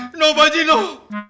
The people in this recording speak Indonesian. tidak baji tidak